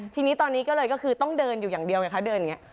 ทีนี้ตอนนี้ก็เลยก็คือต้องเดินอยู่อย่างเดียวไงคะเดินอย่างนี้